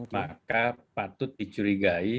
maka patut dicurigai